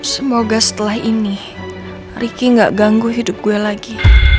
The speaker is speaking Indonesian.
semoga setelah ini riki nggak ganggu hidup gue lagi